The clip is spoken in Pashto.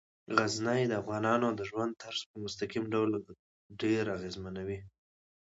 غزني د افغانانو د ژوند طرز په مستقیم ډول ډیر اغېزمنوي.